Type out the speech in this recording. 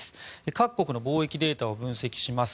各国の貿易データを分析します